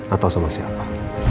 atau sama siapa